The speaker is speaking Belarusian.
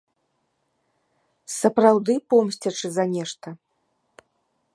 Сапраўды помсцячы за нешта?